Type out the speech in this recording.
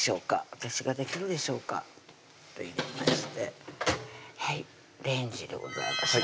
私ができるでしょうか入れましてレンジでございますね